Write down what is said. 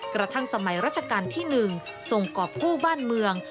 กระทั่งสมัยราชการที่๑ทรงกรอบคู่บ้านเมือง